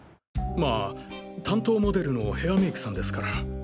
まあ担当モデルのヘアメイクさんですから。